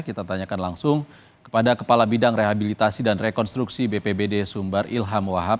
kita tanyakan langsung kepada kepala bidang rehabilitasi dan rekonstruksi bpbd sumber ilham wahab